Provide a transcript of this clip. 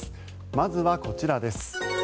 まずはこちらです。